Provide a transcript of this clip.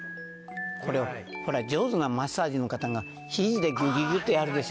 これほら上手なマッサージの方がひじでギュギュギュッとやるでしょ？